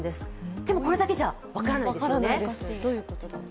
でも、これだけじゃ分からないですよね。